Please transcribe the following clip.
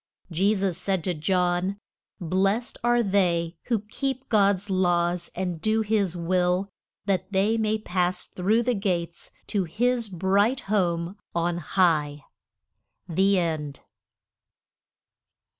Je sus said to John, Blest are they who keep God's laws and do his will, that they may pass through the gates to his bright home on high. THE END.